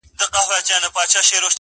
خو یو وخت څارنوال پوه په ټول داستان سو,